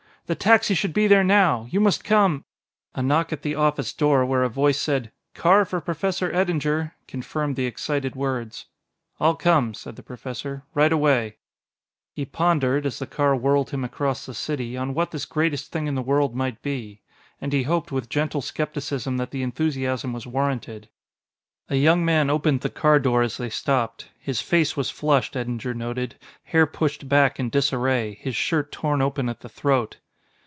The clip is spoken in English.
The taxi should be there now you must come " A knock at the office door where a voice said, "Car for Professor Eddinger," confirmed the excited words. "I'll come," said the Professor, "right away." He pondered, as the car whirled him across the city, on what this greatest thing in the world might be. And he hoped with gentle skepticism that the enthusiasm was warranted. A young man opened the car door as they stopped. His face was flushed, Eddinger noted, hair pushed back in disarray, his shirt torn open at the throat.